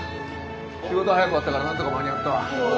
仕事早く終わったからなんとか間に合ったわ。